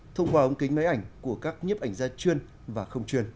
thông qua ống kính máy ảnh của các nhiếp ảnh gia chuyên và không chuyên